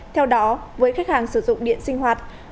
theo đó với khách hàng sử dụng điện sinh hoạt